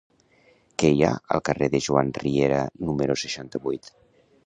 Què hi ha al carrer de Joan Riera número seixanta-vuit?